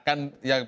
ya kan dikotakan